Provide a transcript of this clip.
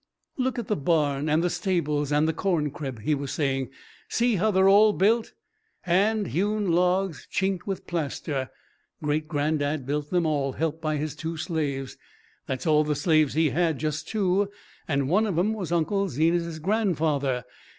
"Look at the barn, and the stables, and the corncrib," he was saying. "See how they're all built? Hand hewn logs chinked with plaster. Great granddad built them all, helped by his two slaves. That's all the slaves he had, just two and one of 'em was Unc' Zenas's grandfather.